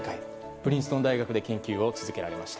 プリンストン大学で研究を続けられました。